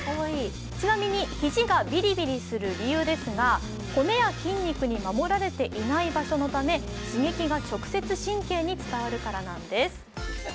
ちなみに肘がビリビリする理由ですが骨や筋肉に守られていない場所のため刺激が直接神経に伝わるからなんです。